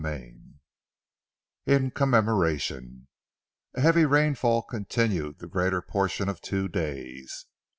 CHAPTER XV IN COMMEMORATION A heavy rainfall continued the greater portion of two days.